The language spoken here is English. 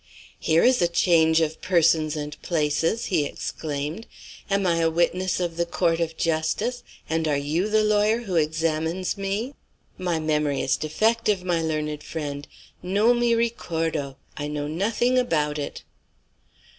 "Here is a change of persons and places!" he exclaimed. "Am I a witness of the court of justice and are you the lawyer who examines me? My memory is defective, my learned friend. Non mi ricordo. I know nothing about it."